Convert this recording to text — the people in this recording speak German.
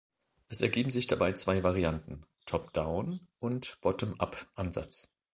Es ergeben sich dabei zwei Varianten: Top-Down- und Bottom-up-Ansatz.